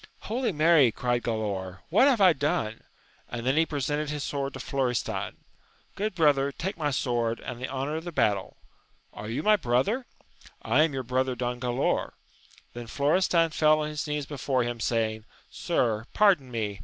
H0I7 Mary ! eried Galaor, what have I done 1 and then he presented his sword to Florestan : Grood brother, take my sword, and the honour of the battle !— Are you my broUier t — I am your brother Don Galaor. Then Florestan fell on his knees before him, saying, Sir, pardon me